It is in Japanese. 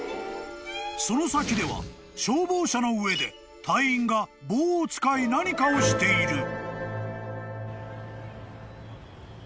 ［その先では消防車の上で隊員が棒を使い何かをしている］